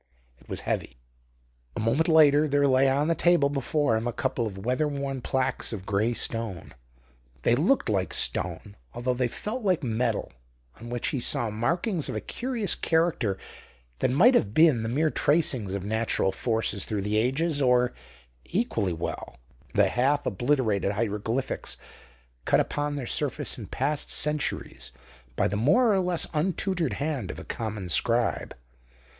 It was heavy. A moment later there lay on the table before him a couple of weather worn plaques of grey stone they looked like stone, although they felt like metal on which he saw markings of a curious character that might have been the mere tracings of natural forces through the ages, or, equally well, the half obliterated hieroglyphics cut upon their surface in past centuries by the more or less untutored hand of a common scribe.